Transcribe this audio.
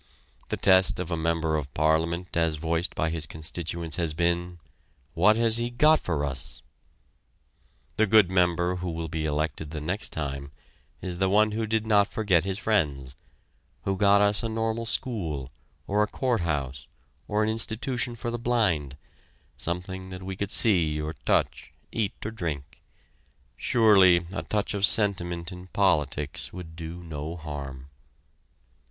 The test of a member of Parliament as voiced by his constituents has been: "What has he got for us?" The good member who will be elected the next time is the one who did not forget his friends, who got us a Normal School, or a Court House, or an Institution for the Blind, something that we could see or touch, eat or drink. Surely a touch of sentiment in politics would do no harm.